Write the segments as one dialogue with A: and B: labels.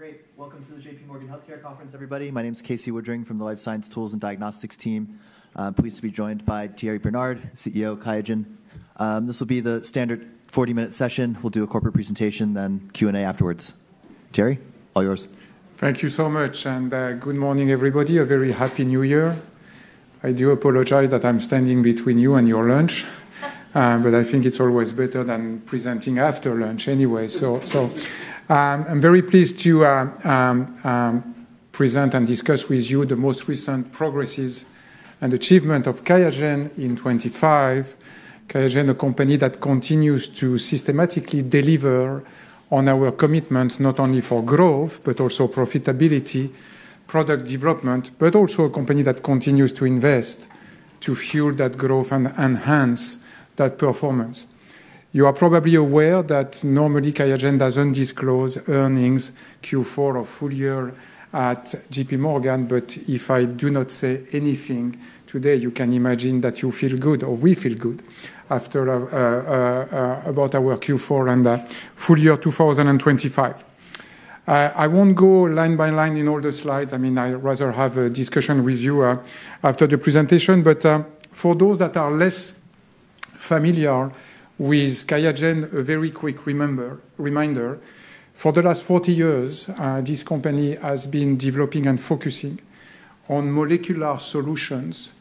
A: All right, great. Welcome to the JPMorgan Healthcare Conference, everybody. My name is Casey Woodring from the Life Science Tools and Diagnostics team. I'm pleased to be joined by Thierry Bernard, CEO of QIAGEN. This will be the standard 40-minute session. We'll do a corporate presentation, then Q&A afterwards. Thierry, all yours.
B: Thank you so much. And good morning, everybody. A very happy new year. I do apologize that I'm standing between you and your lunch, but I think it's always better than presenting after lunch anyway. So I'm very pleased to present and discuss with you the most recent progresses and achievements of QIAGEN in 2025. QIAGEN, a company that continues to systematically deliver on our commitments, not only for growth, but also profitability, product development, but also a company that continues to invest to fuel that growth and enhance that performance. You are probably aware that normally QIAGEN doesn't disclose earnings Q4 or full year at JPMorgan, but if I do not say anything today, you can imagine that you feel good, or we feel good, after about our Q4 and full year 2025. I won't go line by line in all the slides. I mean, I'd rather have a discussion with you after the presentation, but for those that are less familiar with QIAGEN, a very quick reminder: for the last 40 years, this company has been developing and focusing on molecular solutions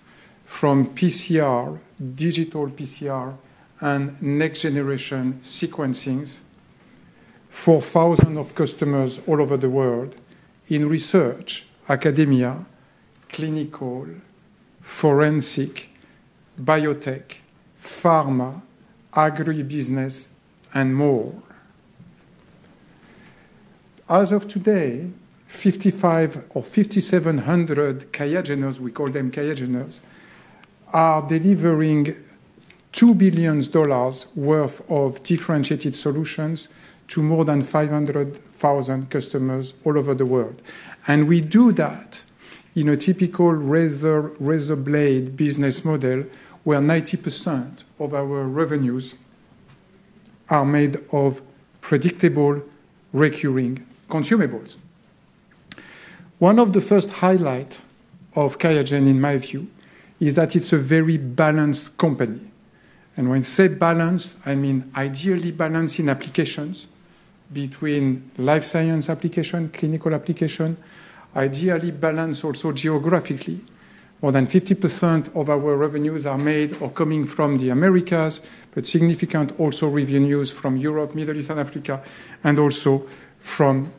B: from PCR, digital PCR, and next-generation sequencings for thousands of customers all over the world in research, academia, clinical, forensic, biotech, pharma, agribusiness, and more. As of today, 5,500 or 5,700 QIAGENers, we call them QIAGENers, are delivering $2 billion worth of differentiated solutions to more than 500,000 customers all over the world, and we do that in a typical razor-blade business model where 90% of our revenues are made of predictable recurring consumables. One of the first highlights of QIAGEN, in my view, is that it's a very balanced company. And when I say balanced, I mean ideally balanced in applications between life science applications, clinical applications, ideally balanced also geographically. More than 50% of our revenues are made or coming from the Americas, but significant also revenues from Europe, Middle East, and Africa, and also from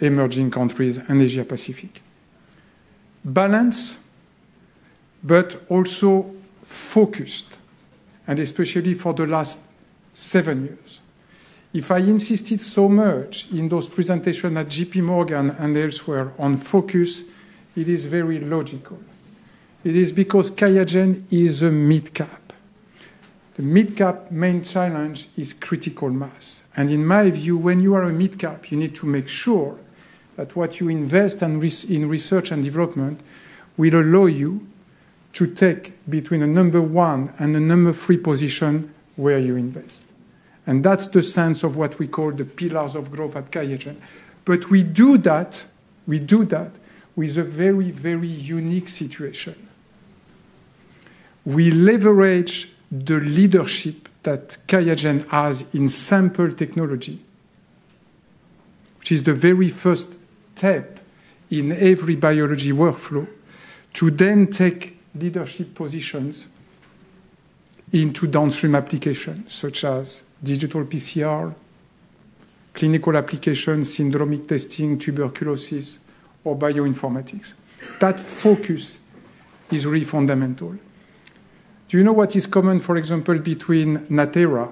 B: emerging countries and Asia-Pacific. Balanced, but also focused, and especially for the last seven years. If I insisted so much in those presentations at JPMorgan and elsewhere on focus, it is very logical. It is because QIAGEN is a mid-cap. The mid-cap main challenge is critical mass. And in my view, when you are a mid-cap, you need to make sure that what you invest in research and development will allow you to take between a number one and a number three position where you invest. And that's the sense of what we call the pillars of growth at QIAGEN. But we do that, we do that with a very, very unique situation. We leverage the leadership that QIAGEN has in sample technology, which is the very first step in every biology workflow to then take leadership positions into downstream applications such as digital PCR, clinical applications, syndromic testing, tuberculosis, or bioinformatics. That focus is really fundamental. Do you know what is common, for example, between Natera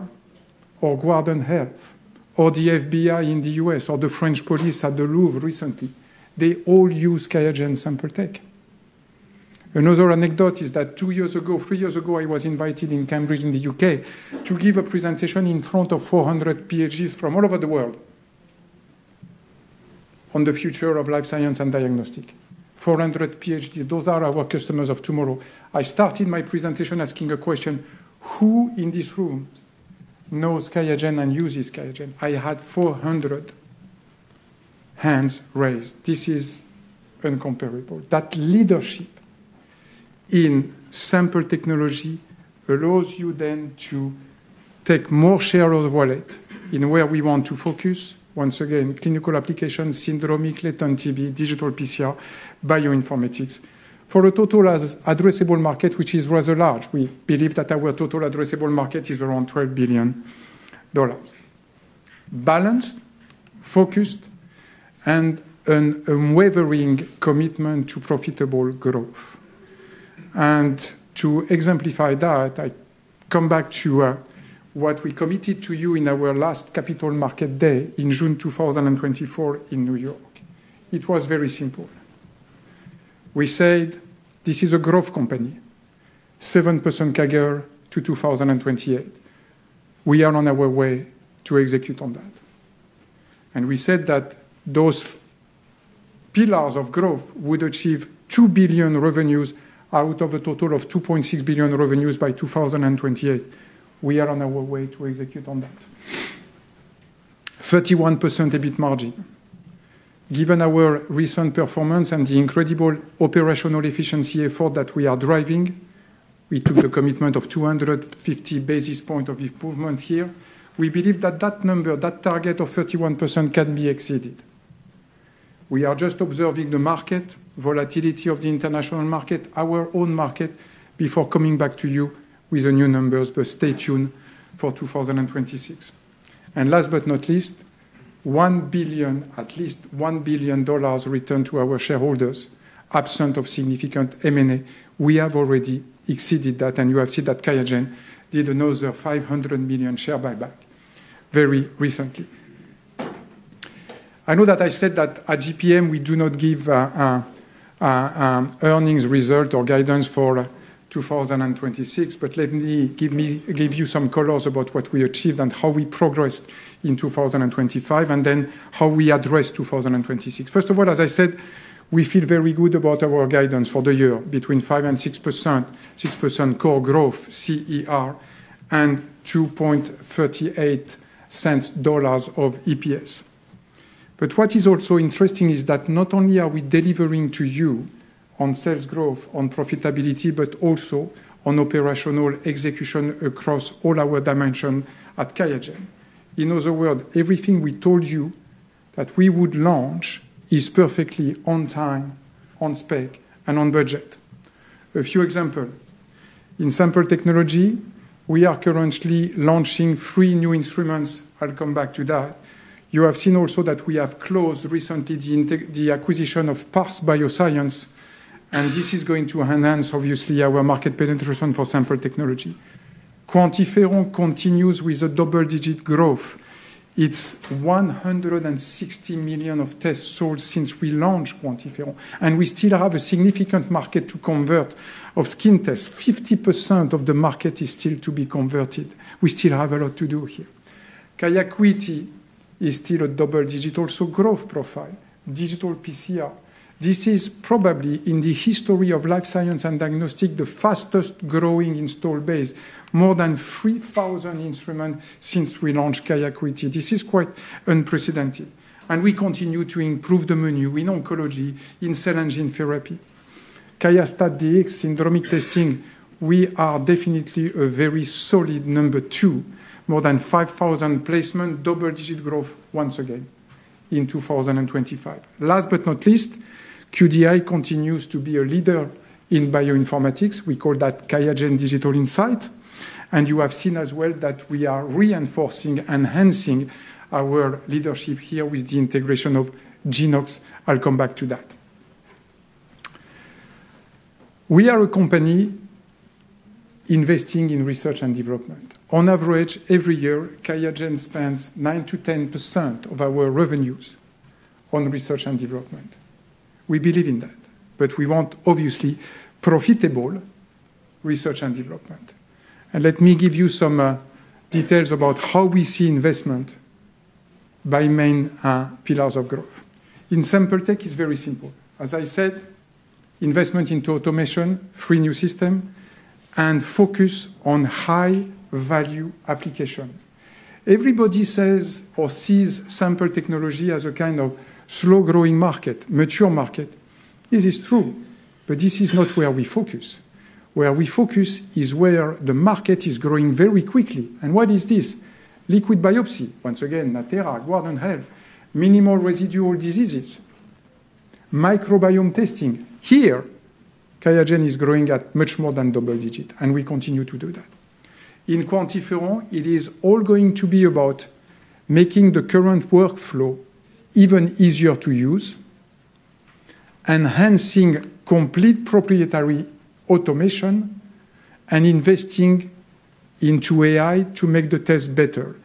B: or Guardant Health or the FBI in the U.S. or the French police at the Louvre recently? They all use QIAGEN SampleTech. Another anecdote is that two years ago, three years ago, I was invited in Cambridge, U.K. to give a presentation in front of 400 PhDs from all over the world on the future of life science and diagnostics. 400 PhDs, those are our customers of tomorrow. I started my presentation asking a question: Who in this room knows QIAGEN and uses QIAGEN? I had 400 hands raised. This is incomparable. That leadership in sample technology allows you then to take more share of the wallet in where we want to focus, once again, clinical applications, syndromic latent TB, digital PCR, bioinformatics, for a total addressable market, which is rather large. We believe that our total addressable market is around $12 billion. Balanced, focused, and an unwavering commitment to profitable growth. And to exemplify that, I come back to what we committed to you in our last Capital Markets Day in June 2024 in New York. It was very simple. We said, "This is a growth company, 7% CAGR to 2028. We are on our way to execute on that." And we said that those pillars of growth would achieve $2 billion revenues out of a total of $2.6 billion revenues by 2028. We are on our way to execute on that. 31% EBIT margin. Given our recent performance and the incredible operational efficiency effort that we are driving, we took the commitment of 250 basis points of improvement here. We believe that that number, that target of 31% can be exceeded. We are just observing the market, volatility of the international market, our own market, before coming back to you with the new numbers. But stay tuned for 2026. And last but not least, $1 billion, at least $1 billion returned to our shareholders, absent of significant M&A. We have already exceeded that, and you have seen that QIAGEN did another $500 million share buyback very recently. I know that I said that at JPM, we do not give earnings results or guidance for 2026, but let me give you some colors about what we achieved and how we progressed in 2025, and then how we address 2026. First of all, as I said, we feel very good about our guidance for the year, between 5% and 6% core growth, CER, and $2.38 of EPS. But what is also interesting is that not only are we delivering to you on sales growth, on profitability, but also on operational execution across all our dimensions at QIAGEN. In other words, everything we told you that we would launch is perfectly on time, on spec, and on budget. A few examples. In sample technology, we are currently launching three new instruments. I'll come back to that. You have seen also that we have closed recently the acquisition of Parse Biosciences, and this is going to enhance, obviously, our market penetration for sample technology. QuantiFERON continues with a double-digit growth. It's 160 million of tests sold since we launched QuantiFERON, and we still have a significant market to convert of skin tests. 50% of the market is still to be converted. We still have a lot to do here. QIAcuity is still a double-digit also growth profile, digital PCR. This is probably, in the history of life science and diagnostics, the fastest growing install base, more than 3,000 instruments since we launched QIAcuity. This is quite unprecedented. We continue to improve the menu in oncology, in cell and gene therapy. QIAstat-Dx syndromic testing, we are definitely a very solid number two, more than 5,000 placements, double-digit growth once again in 2025. Last but not least, QDI continues to be a leader in bioinformatics. We call that QIAGEN Digital Insights. And you have seen as well that we are reinforcing, enhancing our leadership here with the integration of Genoox. I'll come back to that. We are a company investing in research and development. On average, every year, QIAGEN spends 9%-10% of our revenues on research and development. We believe in that, but we want, obviously, profitable research and development. And let me give you some details about how we see investment by main pillars of growth. In sample tech, it's very simple. As I said, investment into automation, three new systems, and focus on high-value applications. Everybody says or sees sample technology as a kind of slow-growing market, mature market. This is true, but this is not where we focus. Where we focus is where the market is growing very quickly. And what is this? Liquid biopsy, once again, Natera, Guardant Health, minimal residual diseases, microbiome testing. Here, QIAGEN is growing at much more than double digit, and we continue to do that. In QuantiFERON, it is all going to be about making the current workflow even easier to use, enhancing complete proprietary automation, and investing into AI to make the test better.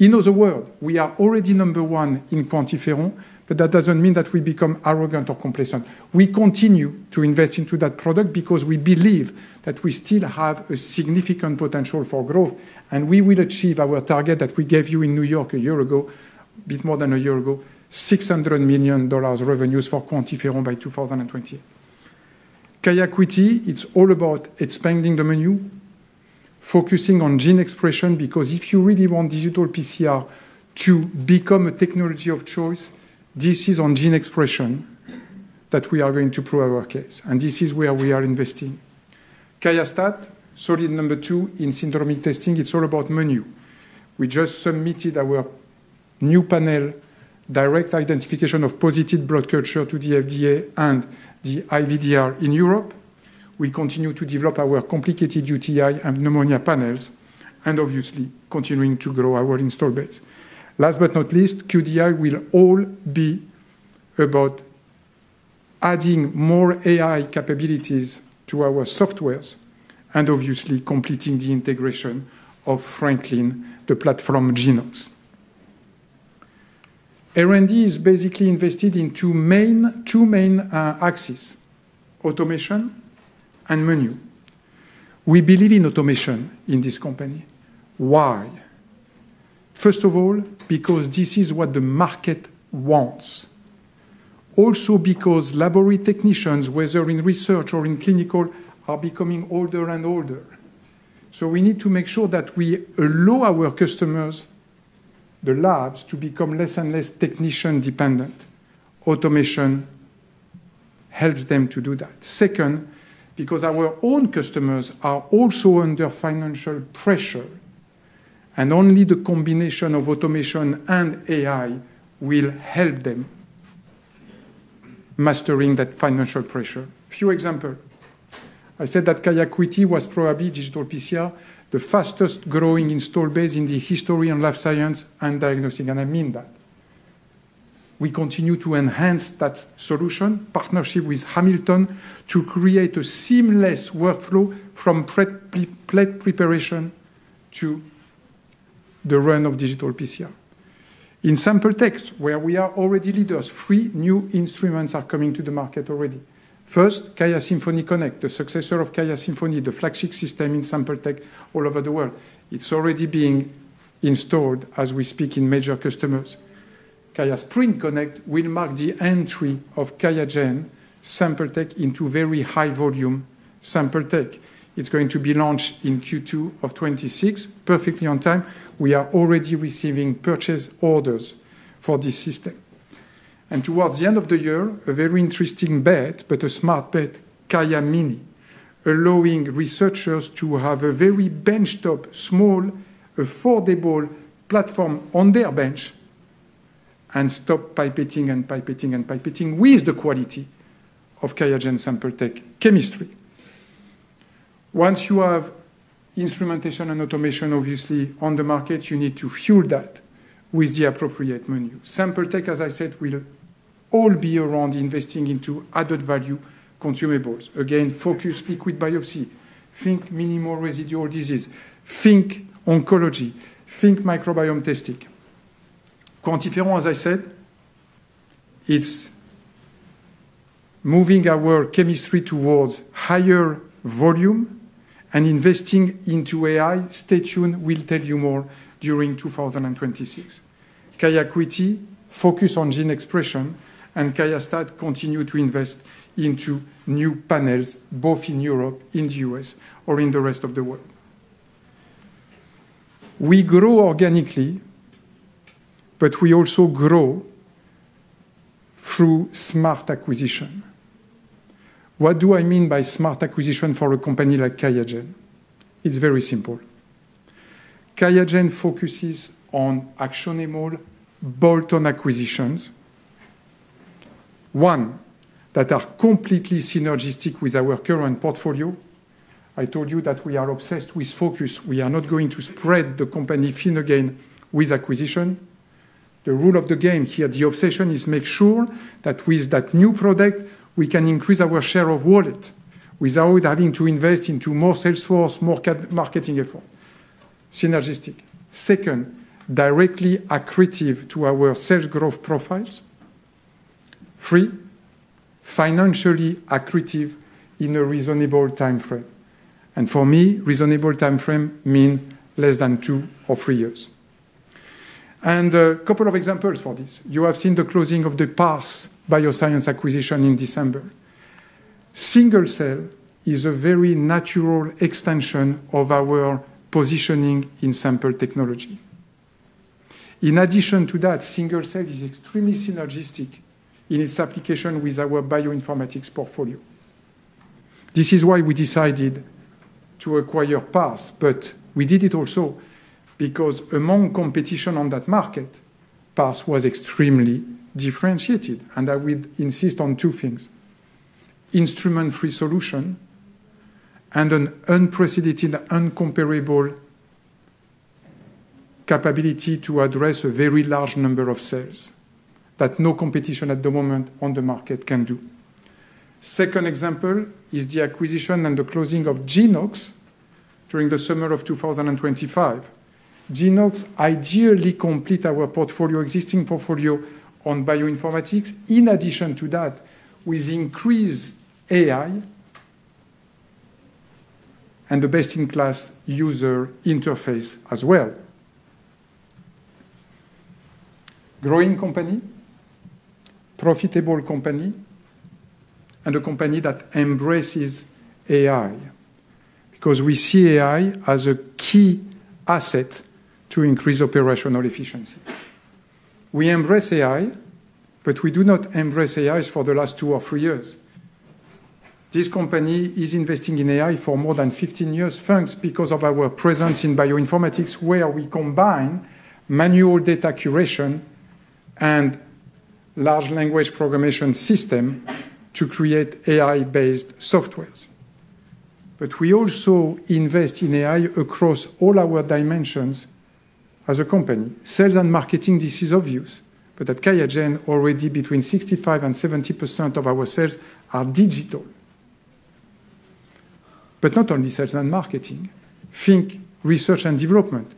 B: In other words, we are already number one in QuantiFERON, but that doesn't mean that we become arrogant or complacent. We continue to invest into that product because we believe that we still have a significant potential for growth, and we will achieve our target that we gave you in New York a year ago, a bit more than a year ago, $600 million revenues for QuantiFERON by 2028. QIAcuity, it's all about expanding the menu, focusing on gene expression, because if you really want digital PCR to become a technology of choice, this is on gene expression that we are going to prove our case, and this is where we are investing. QIAstat, solid number two in syndromic testing. It's all about menu. We just submitted our new panel, direct identification of positive blood culture to the FDA and the IVDR in Europe. We continue to develop our complicated UTI and pneumonia panels, and obviously, continuing to grow our installed base. Last but not least, QDI will all be about adding more AI capabilities to our softwares, and obviously, completing the integration of Franklin, the platform Genoox. R&D is basically invested in two main axes, automation and menu. We believe in automation in this company. Why? First of all, because this is what the market wants. Also because laboratory technicians, whether in research or in clinical, are becoming older and older. So we need to make sure that we allow our customers, the labs, to become less and less technician-dependent. Automation helps them to do that. Second, because our own customers are also under financial pressure, and only the combination of automation and AI will help them mastering that financial pressure. Few examples. I said that QIAcuity was probably digital PCR, the fastest growing install base in the history of life science and diagnostic, and I mean that. We continue to enhance that solution, partnership with Hamilton to create a seamless workflow from prep preparation to the run of digital PCR. In sample tech, where we are already leaders, three new instruments are coming to the market already. First, QIAsymphony Connect, the successor of QIAsymphony, the flagship system in sample tech all over the world. It's already being installed as we speak in major customers. QIAsprint Connect will mark the entry of QIAGEN sample tech into very high-volume sample tech. It's going to be launched in Q2 of 2026, perfectly on time. We are already receiving purchase orders for this system and towards the end of the year, a very interesting bet, but a smart bet, QIAmini, allowing researchers to have a very benchtop, small, affordable platform on their bench and stop pipetting and pipetting and pipetting with the quality of QIAGEN sample tech chemistry. Once you have instrumentation and automation, obviously, on the market, you need to fuel that with the appropriate menu. Sample tech, as I said, will all be around investing into added value consumables. Again, focus liquid biopsy. Think minimal residual disease. Think oncology. Think microbiome testing. QuantiFERON, as I said, it's moving our chemistry towards higher volume and investing into AI. Stay tuned. We'll tell you more during 2026. QIAcuity, focus on gene expression, and QIAstat continue to invest into new panels, both in Europe, in the US, or in the rest of the world. We grow organically, but we also grow through smart acquisition. What do I mean by smart acquisition for a company like Qiagen? It's very simple. Qiagen focuses on actionable bolt-on acquisitions, one, that are completely synergistic with our current portfolio. I told you that we are obsessed with focus. We are not going to spread the company thin again with acquisition. The rule of the game here, the obsession, is make sure that with that new product, we can increase our share of wallet without having to invest into more salesforce, more marketing effort. Synergistic. Second, directly accretive to our sales growth profiles. Three, financially accretive in a reasonable time frame. And for me, reasonable time frame means less than two or three years. And a couple of examples for this. You have seen the closing of the Parse Biosciences acquisition in December. Single Cell is a very natural extension of our positioning in sample technology. In addition to that, Single Cell is extremely synergistic in its application with our bioinformatics portfolio. This is why we decided to acquire Parse, but we did it also because among competition on that market, Parse was extremely differentiated. And I would insist on two things: instrument-free solution and an unprecedented, uncomparable capability to address a very large number of cells that no competition at the moment on the market can do. Second example is the acquisition and the closing of Genoox during the summer of 2025. Genoox ideally completes our portfolio, existing portfolio on bioinformatics. In addition to that, with increased AI and the best-in-class user interface as well. Growing company, profitable company, and a company that embraces AI because we see AI as a key asset to increase operational efficiency. We embrace AI, but we do not embrace AI for the last two or three years. This company is investing in AI for more than 15 years, thanks because of our presence in bioinformatics, where we combine manual data curation and large language programming system to create AI-based software. But we also invest in AI across all our dimensions as a company. Sales and marketing, this is obvious, but at QIAGEN, already between 65% and 70% of our sales are digital. But not only sales and marketing. Think research and development.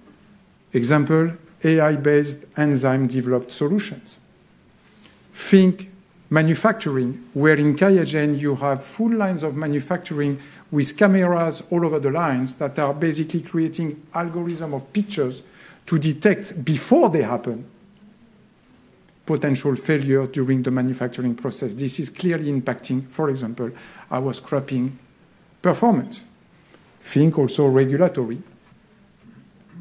B: Example, AI-based enzyme-developed solutions. Think manufacturing, where in QIAGEN, you have full lines of manufacturing with cameras all over the lines that are basically creating algorithms of pictures to detect before they happen potential failure during the manufacturing process. This is clearly impacting, for example, our scrapping performance. Think also regulatory.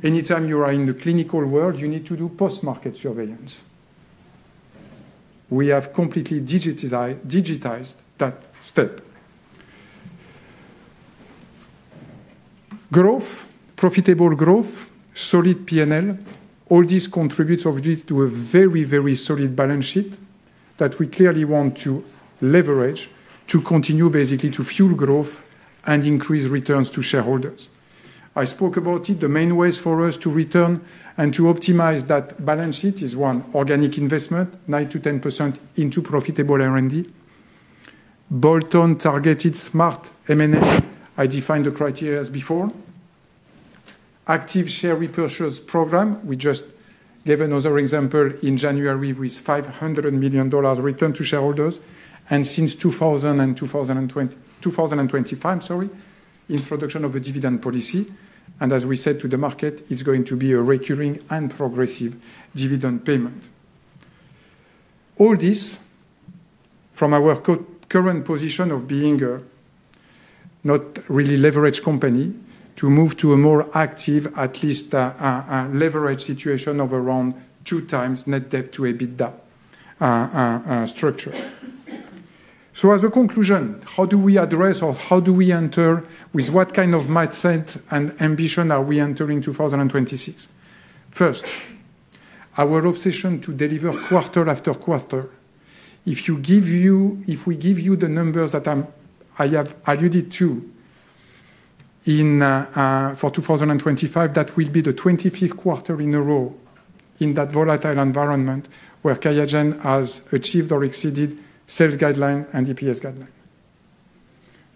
B: Anytime you are in the clinical world, you need to do post-market surveillance. We have completely digitized that step. Growth, profitable growth, solid P&L. All these contribute obviously to a very, very solid balance sheet that we clearly want to leverage to continue basically to fuel growth and increase returns to shareholders. I spoke about it. The main ways for us to return and to optimize that balance sheet is one, organic investment, 9%-10% into profitable R&D. Bolt-on targeted smart M&A. I defined the criteria as before. Active share repurchase program. We just gave another example in January with $500 million return to shareholders, and since 2025—sorry—introduction of a dividend policy, and as we said to the market, it's going to be a recurring and progressive dividend payment. All this, from our current position of being not really leveraged company, to move to a more active, at least a leveraged situation of around two times net debt to EBITDA structure. So as a conclusion, how do we address or how do we enter with what kind of mindset and ambition are we entering 2026? First, our obsession to deliver quarter after quarter. If we give you the numbers that I have alluded to for 2025, that will be the 25th quarter in a row in that volatile environment where QIAGEN has achieved or exceeded sales guideline and EPS guideline.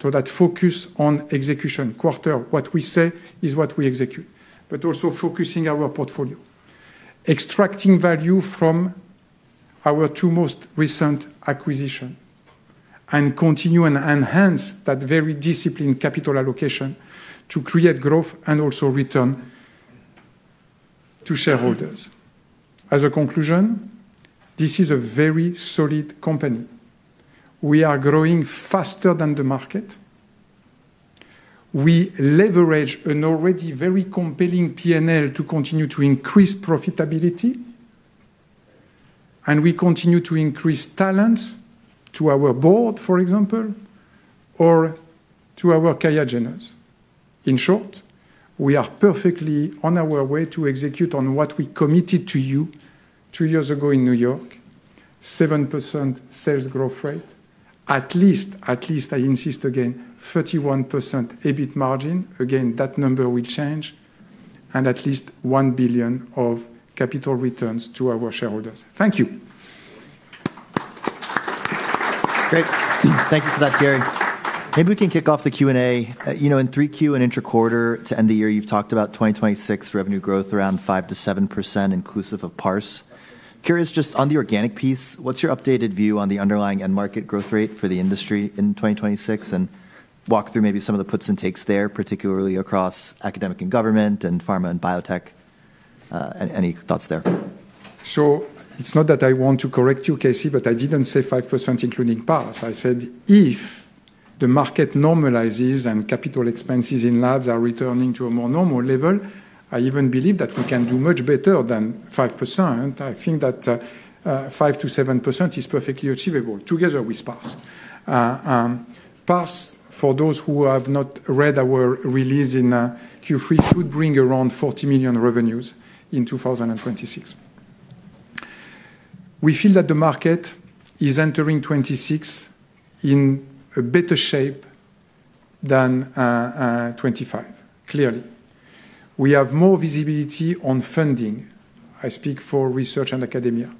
B: So, that focus on execution quarter, what we say is what we execute, but also focusing our portfolio, extracting value from our two most recent acquisitions, and continue and enhance that very disciplined capital allocation to create growth and also return to shareholders. As a conclusion, this is a very solid company. We are growing faster than the market. We leverage an already very compelling P&L to continue to increase profitability, and we continue to increase talent to our board, for example, or to our QIAGENers. In short, we are perfectly on our way to execute on what we committed to you two years ago in New York, 7% sales growth rate, at least, at least I insist again, 31% EBIT margin. Again, that number will change, and at least $1 billion of capital returns to our shareholders. Thank you.
A: Thank you for that, Thierry. Maybe we can kick off the Q&A. In the three quarters and the quarter to end the year, you've talked about 2026 revenue growth around 5%-7% inclusive of Parse. Curious, just on the organic piece, what's your updated view on the underlying end market growth rate for the industry in 2026? And walk through maybe some of the puts and takes there, particularly across academic and government and pharma and biotech. Any thoughts there?
B: So it's not that I want to correct you, KC, but I didn't say 5% including Parse. I said if the market normalizes and capital expenses in labs are returning to a more normal level, I even believe that we can do much better than 5%. I think that 5%-7% is perfectly achievable together with Parse. Parse, for those who have not read our release in Q3, should bring around $40 million in revenues in 2026. We feel that the market is entering 2026 in a better shape than 2025, clearly. We have more visibility on funding. I speak for research and academia.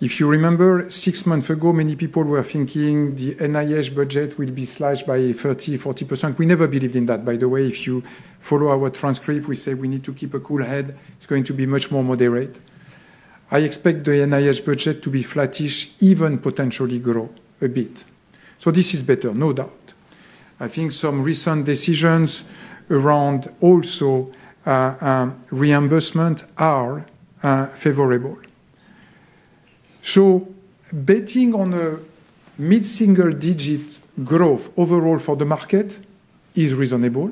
B: If you remember, six months ago, many people were thinking the NIH budget will be slashed by 30%, 40%. We never believed in that, by the way. If you follow our transcript, we say we need to keep a cool head. It's going to be much more moderate. I expect the NIH budget to be flattish, even potentially grow a bit. So this is better, no doubt. I think some recent decisions around also reimbursement are favorable. So betting on a mid-single-digit growth overall for the market is reasonable.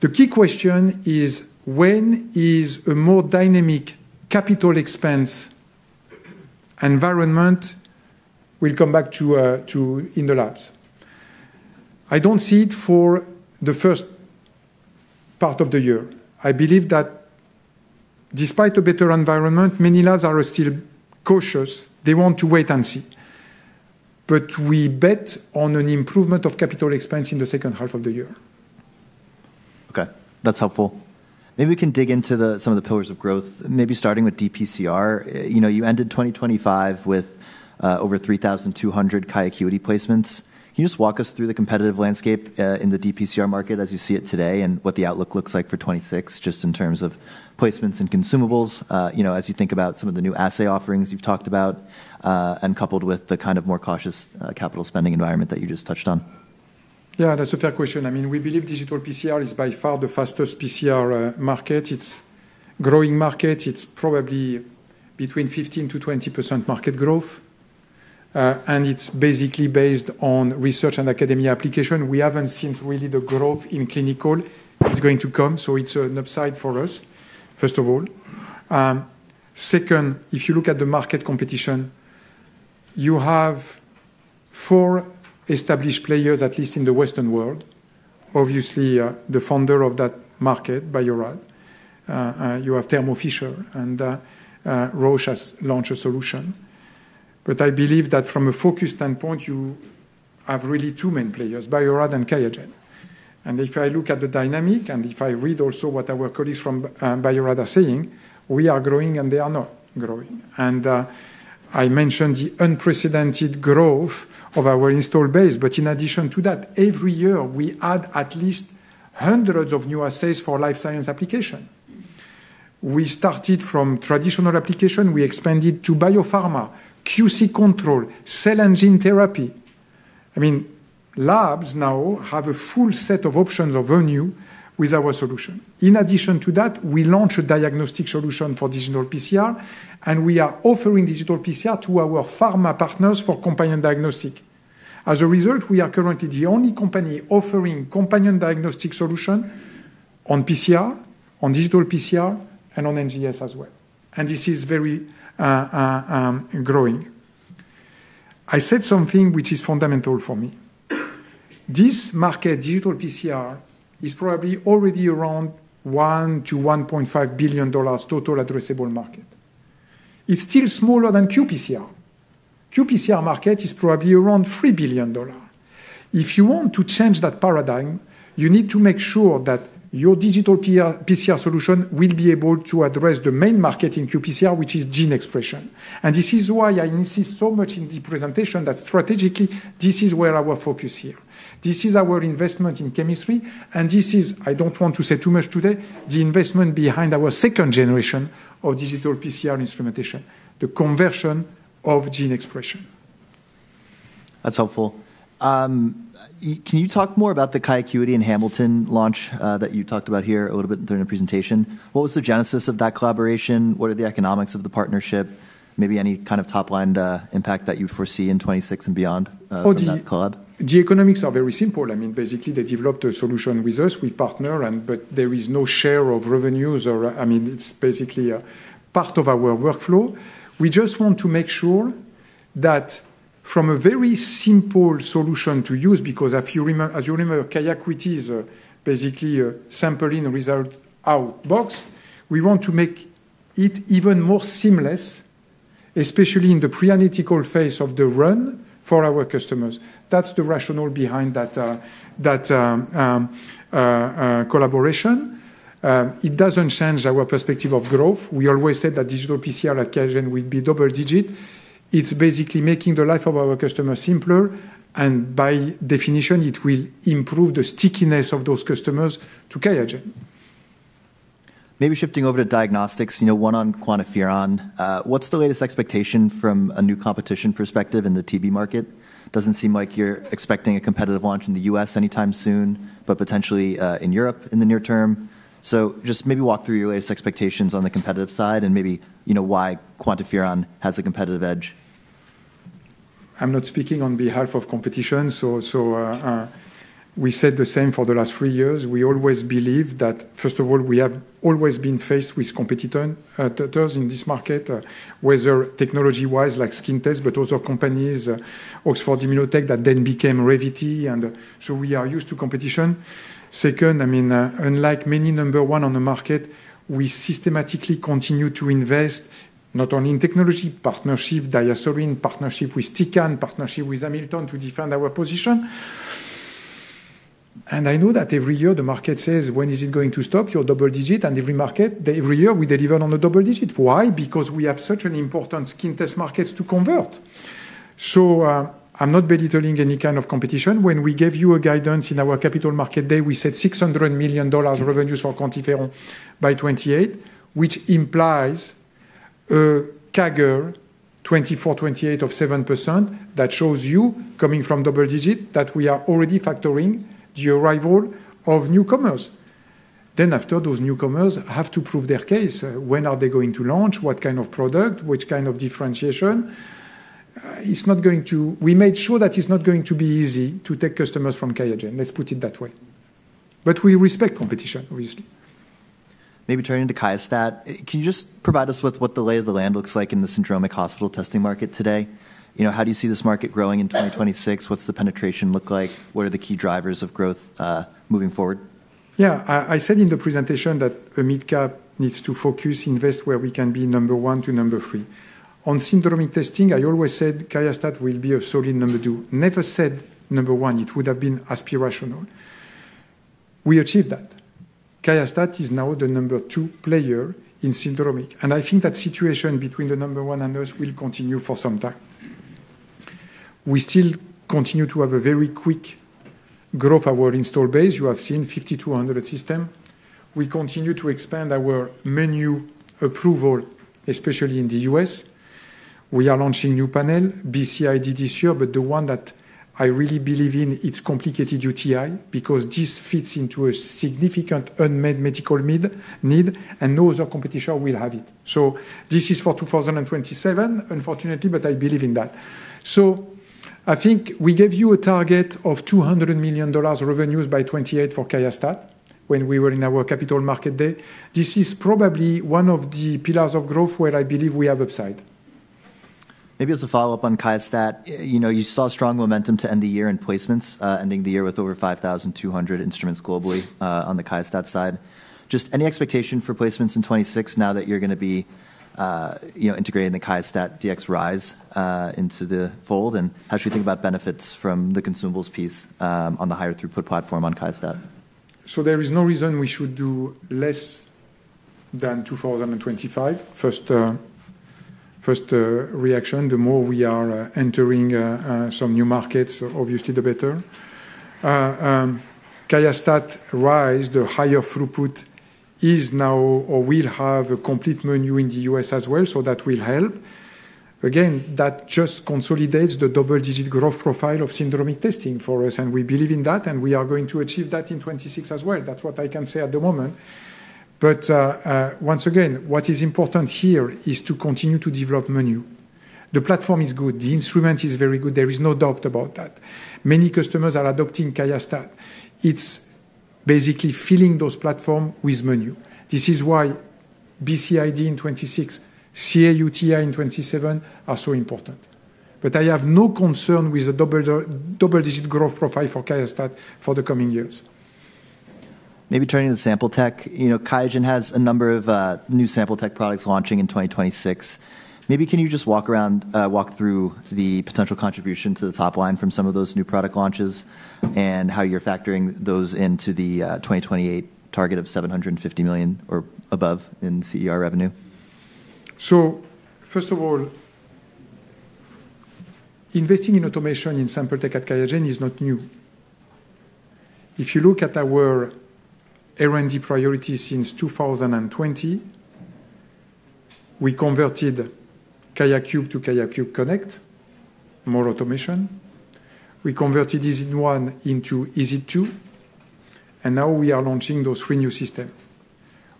B: The key question is when is a more dynamic capital expense environment? We'll come back to it in the labs. I don't see it for the first part of the year. I believe that despite a better environment, many labs are still cautious. They want to wait and see. But we bet on an improvement of CapEx in the second half of the year.
A: Okay. That's helpful. Maybe we can dig into some of the pillars of growth, maybe starting with dPCR. You ended 2025 with over 3,200 QIAcuity placements. Can you just walk us through the competitive landscape in the dPCR market as you see it today and what the outlook looks like for 2026, just in terms of placements and consumables as you think about some of the new assay offerings you've talked about and coupled with the kind of more cautious CapEx environment that you just touched on?
B: Yeah, that's a fair question. I mean, we believe digital PCR is by far the fastest PCR market. It's a growing market. It's probably between 15%-20% market growth. And it's basically based on research and academia application. We haven't seen really the growth in clinical. It's going to come. So it's an upside for us, first of all. Second, if you look at the market competition, you have four established players, at least in the Western world. Obviously, the founder of that market, Bio-Rad, you have Thermo Fisher, and Roche has launched a solution. But I believe that from a focus standpoint, you have really two main players, Bio-Rad and Qiagen. And if I look at the dynamic and if I read also what our colleagues from Bio-Rad are saying, we are growing and they are not growing. And I mentioned the unprecedented growth of our installed base. But in addition to that, every year, we add at least hundreds of new assays for life science application. We started from traditional application. We expanded to biopharma, QC control, cell and gene therapy. I mean, labs now have a full set of options available with our solution. In addition to that, we launched a diagnostic solution for digital PCR, and we are offering digital PCR to our pharma partners for companion diagnostic. As a result, we are currently the only company offering companion diagnostic solution on PCR, on digital PCR, and on NGS as well. And this is very growing. I said something which is fundamental for me. This market, digital PCR, is probably already around $1-$1.5 billion total addressable market. It's still smaller than QPCR. QPCR market is probably around $3 billion. If you want to change that paradigm, you need to make sure that your digital PCR solution will be able to address the main market in QPCR, which is gene expression. And this is why I insist so much in the presentation that strategically, this is where our focus here. This is our investment in chemistry, and this is, I don't want to say too much today, the investment behind our second generation of digital PCR instrumentation, the conversion of gene expression. That's helpful.
A: Can you talk more about the QIAcuity and Hamilton launch that you talked about here a little bit during the presentation? What was the genesis of that collaboration? What are the economics of the partnership? Maybe any kind of top-line impact that you foresee in 2026 and beyond for that collab?
B: The economics are very simple. I mean, basically, they developed a solution with us. We partner, but there is no share of revenues. I mean, it's basically part of our workflow. We just want to make sure that from a very simple solution to use, because as you remember, QIAcuity is basically sampling the result out box. We want to make it even more seamless, especially in the pre-analytical phase of the run for our customers. That's the rationale behind that collaboration. It doesn't change our perspective of growth. We always said that digital PCR at Qiagen will be double-digit. It's basically making the life of our customers simpler, and by definition, it will improve the stickiness of those customers to Qiagen.
A: Maybe shifting over to diagnostics, one on QuantiFERON. What's the latest expectation from a new competition perspective in the TB market? Doesn't seem like you're expecting a competitive launch in the U.S. anytime soon, but potentially in Europe in the near term. So just maybe walk through your latest expectations on the competitive side and maybe why QuantiFERON has a competitive edge.
B: I'm not speaking on behalf of competition. So we said the same for the last three years. We always believe that, first of all, we have always been faced with competitors in this market, whether technology-wise, like skin test, but also companies, Oxford Immunotec, that then became Revvity. And so we are used to competition. Second, I mean, unlike many number one on the market, we systematically continue to invest not only in technology partnership, DiaSorin partnership with Tecan, partnership with Hamilton to defend our position. And I know that every year the market says, "When is it going to stop?" You're double-digit, and every market, every year we deliver on the double-digit. Why? Because we have such an important skin test market to convert. So I'm not belittling any kind of competition. When we gave you a guidance in our capital market day, we said $600 million revenues for QuantiFERON by 2028, which implies a CAGR 2024-2028 of 7% that shows you, coming from double-digit, that we are already factoring the arrival of newcomers. Then after those newcomers have to prove their case. When are they going to launch? What kind of product? Which kind of differentiation? It's not going to. We made sure that it's not going to be easy to take customers from QIAGEN. Let's put it that way. But we respect competition, obviously.
A: Maybe turning to QIAstat, can you just provide us with what the lay of the land looks like in the syndromic hospital testing market today? How do you see this market growing in 2026? What's the penetration look like? What are the key drivers of growth moving forward?
B: Yeah, I said in the presentation that QIAGEN needs to focus, invest where we can be number one to number three. On syndromic testing, I always said QIAstat will be a solid number two. Never said number one. It would have been aspirational. We achieved that. QIAstat is now the number two player in syndromic. And I think that situation between the number one and us will continue for some time. We still continue to have a very quick growth of our installed base. You have seen 5,200 systems. We continue to expand our menu approvals, especially in the U.S. We are launching new panels, BCID this year, but the one that I really believe in, it's complicated UTI because this fits into a significant unmet medical need, and no other competition will have it. So this is for 2027, unfortunately, but I believe in that. So I think we gave you a target of $200 million revenues by 2028 for QIAstat when we were in our capital market day. This is probably one of the pillars of growth where I believe we have upside.
A: Maybe as a follow-up on QIAstat, you saw strong momentum to end the year in placements, ending the year with over 5,200 instruments globally on the QIAstat side. Just any expectation for placements in 2026 now that you're going to be integrating the QIAstat-Dx Rise into the fold? And how should we think about benefits from the consumables piece on the higher throughput platform on QIAstat?
B: So there is no reason we should do less than 2025. First reaction, the more we are entering some new markets, obviously the better. QIAstat-Dx Rise, the higher throughput is now or will have a complete menu in the US as well, so that will help. Again, that just consolidates the double-digit growth profile of syndromic testing for us, and we believe in that, and we are going to achieve that in 2026 as well. That's what I can say at the moment. But once again, what is important here is to continue to develop menu. The platform is good. The instrument is very good. There is no doubt about that. Many customers are adopting QIAstat-Dx. It's basically filling those platforms with menu. This is why BCID in 2026, CAUTI in 2027 are so important. But I have no concern with the double-digit growth profile for QIAstat-Dx for the coming years.
A: Maybe turning to sample tech, QIAGEN has a number of new sample tech products launching in 2026. Maybe can you just walk around, walk through the potential contribution to the top line from some of those new product launches and how you're factoring those into the 2028 target of $750 million or above in CER revenue?
B: So first of all, investing in automation in sample tech at QIAGEN is not new. If you look at our R&D priorities since 2020, we converted QIAcube to QIAcube Connect, more automation. We converted EZ1 into EZ2, and now we are launching those three new systems.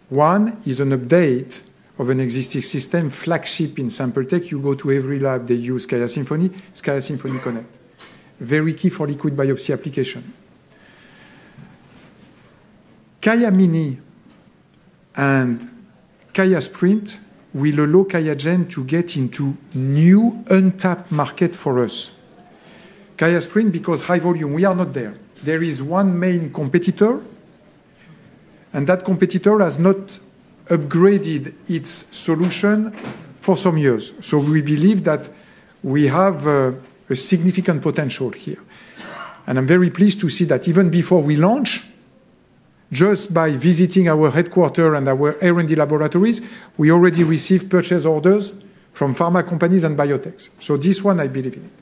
B: One is an update of an existing system, flagship in sample tech. You go to every lab, they use QIAsymphony, QIAsymphony Connect. Very key for liquid biopsy application. QIAmini and QIAsprint will allow QIAGEN to get into new untapped markets for us. QIAsprint, because high volume, we are not there. There is one main competitor, and that competitor has not upgraded its solution for some years. So we believe that we have a significant potential here. And I'm very pleased to see that even before we launch, just by visiting our headquarters and our R&D laboratories, we already received purchase orders from pharma companies and biotechs. So this one, I believe in it.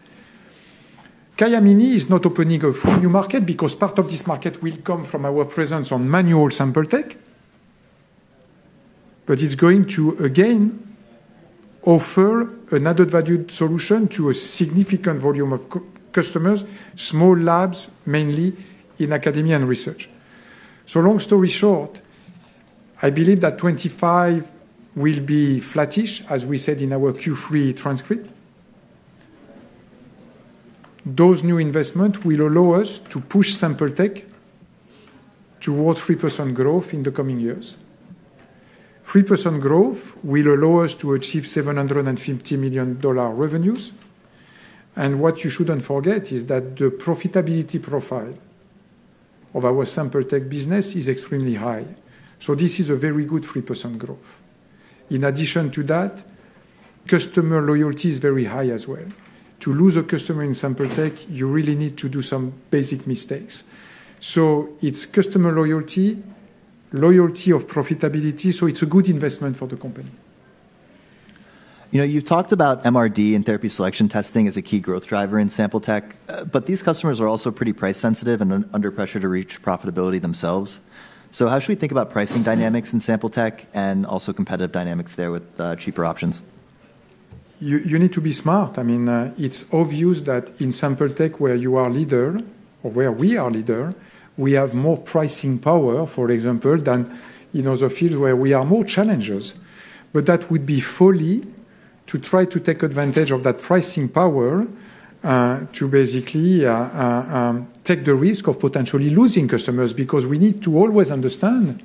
B: QIAmini is not opening a full new market because part of this market will come from our presence on manual sample tech, but it's going to, again, offer an added value solution to a significant volume of customers, small labs, mainly in academia and research. So long story short, I believe that 2025 will be flattish, as we said in our Q3 transcript. Those new investments will allow us to push sample tech towards 3% growth in the coming years. 3% growth will allow us to achieve $750 million revenues. And what you shouldn't forget is that the profitability profile of our sample tech business is extremely high. So this is a very good 3% growth. In addition to that, customer loyalty is very high as well. To lose a customer in sample tech, you really need to do some basic mistakes. So it's customer loyalty, loyalty of profitability. So it's a good investment for the company.
A: You've talked about MRD and therapy selection testing as a key growth driver in sample tech, but these customers are also pretty price-sensitive and under pressure to reach profitability themselves. So how should we think about pricing dynamics in sample tech and also competitive dynamics there with cheaper options?
B: You need to be smart. I mean, it's obvious that in sample tech, where you are leader, or where we are leader, we have more pricing power, for example, than in other fields where we are more challengers. But that would be fully to try to take advantage of that pricing power to basically take the risk of potentially losing customers because we need to always understand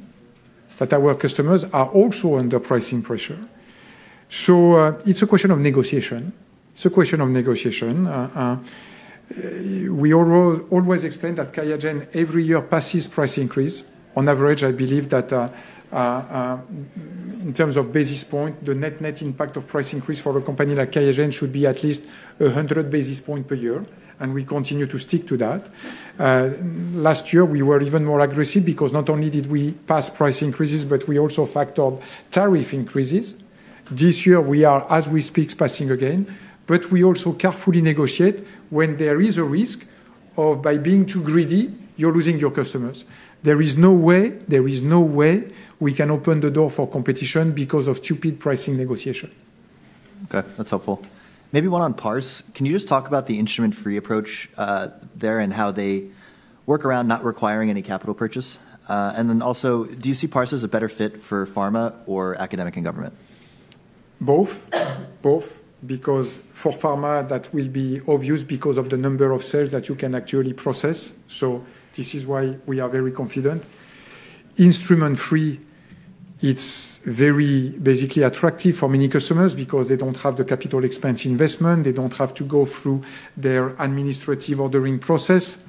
B: that our customers are also under pricing pressure. So it's a question of negotiation. It's a question of negotiation. We always explain that QIAGEN every year passes price increase. On average, I believe that in terms of basis point, the net-net impact of price increase for a company like QIAGEN should be at least 100 basis points per year, and we continue to stick to that. Last year, we were even more aggressive because not only did we pass price increases, but we also factored tariff increases. This year, we are, as we speak, passing again, but we also carefully negotiate when there is a risk of, by being too greedy, you're losing your customers. There is no way, there is no way we can open the door for competition because of stupid pricing negotiation.
A: Okay, that's helpful. Maybe one on Parse, can you just talk about the instrument-free approach there and how they work around not requiring any capital purchase? And then also, do you see Parse as a better fit for pharma or academic and government?
B: Both, both, because for pharma, that will be obvious because of the number of cells that you can actually process. So this is why we are very confident. Instrument-free, it's very basically attractive for many customers because they don't have the capital expense investment. They don't have to go through their administrative ordering process.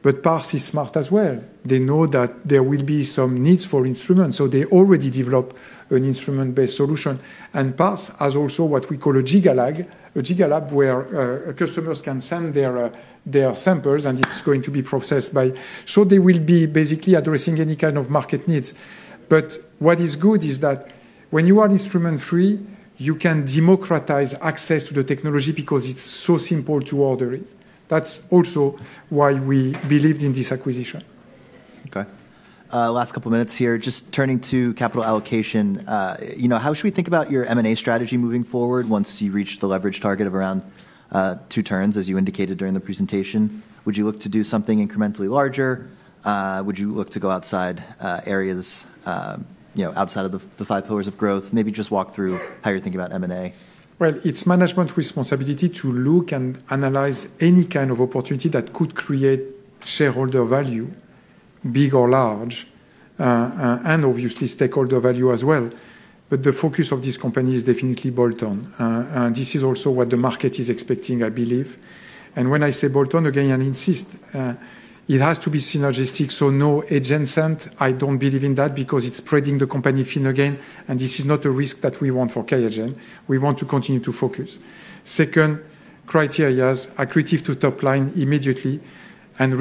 B: But Parse is smart as well. They know that there will be some needs for instruments. So they already develop an instrument-based solution. And Parse has also what we call a GigaLab, a GigaLab where customers can send their samples, and it's going to be processed by. So they will be basically addressing any kind of market needs. But what is good is that when you are instrument-free, you can democratize access to the technology because it's so simple to order it. That's also why we believed in this acquisition.
A: Okay, last couple of minutes here. Just turning to capital allocation, how should we think about your M&A strategy moving forward once you reach the leverage target of around two turns, as you indicated during the presentation? Would you look to do something incrementally larger? Would you look to go outside areas, outside of the five pillars of growth? Maybe just walk through how you're thinking about M&A.
B: It's management's responsibility to look and analyze any kind of opportunity that could create shareholder value, big or large, and obviously stakeholder value as well. But the focus of this company is definitely bolt-on. This is also what the market is expecting, I believe. When I say bolt-on, again, I insist, it has to be synergistic. No adjacency. I don't believe in that because it's spreading the company thin again, and this is not a risk that we want for QIAGEN. We want to continue to focus. Second, criteria is accretive to top line immediately and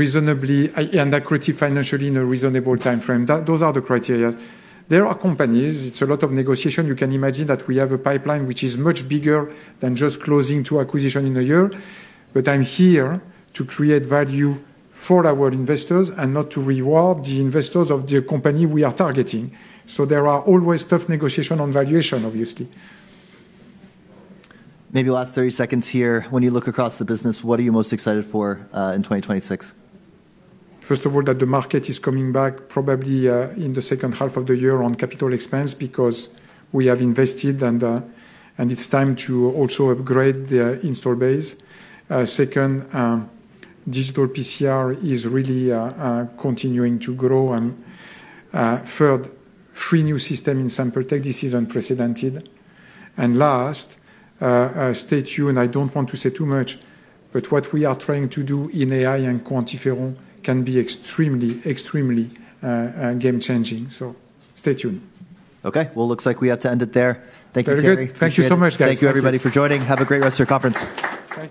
B: accretive financially in a reasonable time frame. Those are the criteria. There are companies. It's a lot of negotiation. You can imagine that we have a pipeline which is much bigger than just closing two acquisitions in a year. But I'm here to create value for our investors and not to reward the investors of the company we are targeting. So there are always tough negotiations on valuation, obviously. Maybe last 30 seconds here. When you look across the business, what are you most excited for in 2026? First of all, that the market is coming back probably in the second half of the year on capital expense because we have invested and it's time to also upgrade the install base. Second, digital PCR is really continuing to grow. And third, three new systems in sample tech. This is unprecedented. And last, stay tuned. I don't want to say too much, but what we are trying to do in AI and QuantiFERON can be extremely, extremely game-changing. So stay tuned.
A: Okay, well, it looks like we have to end it there. Thank you, Thierry. Thank you so much, guys. Thank you, everybody, for joining. Have a great rest of your conference. Thank you.